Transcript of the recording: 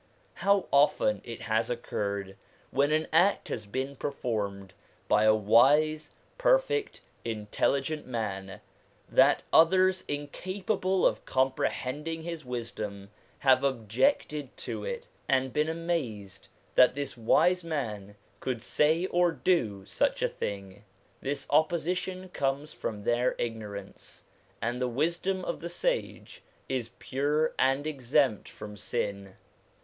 How often it has occurred, when an act has been performed by a wise, perfect, intelli gent man, that others incapable of comprehending its wisdom have objected to it, and been amazed that this 1 Kitabu'l Aqdas. 200 SOME ANSWERED QUESTIONS wise man could say or do such a thing. This opposition comes from their ignorance, and the wisdom of the sage is pure and exempt from sin.